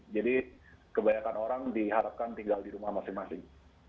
jadi kebanyakan orang diharapkan tinggal di rumah masing masing